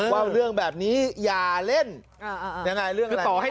เหตุผลบันดี